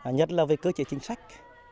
nhất là về cơ chế chính sách